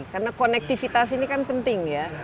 karena konektivitas ini kan penting ya